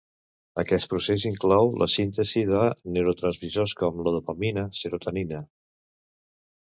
Aquest procés inclou la síntesi de neurotransmissors com la dopamina, serotonina.